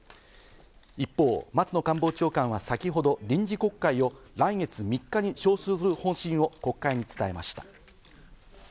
一方、松野官房長官は先ほど臨時国会を来月３日に召集する方針を国会に伝えました。